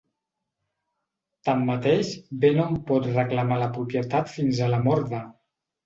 Tanmateix, B no en pot reclamar la propietat fins a la mort d'A.